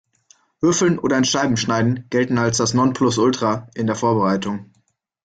Würfeln oder in Scheiben schneiden gelten als das Nonplusultra in der Vorbereitung.